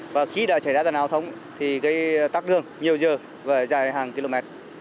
và khi đã chảy ra giao thông thì cái tắc đường nhiều giờ và dài hàng km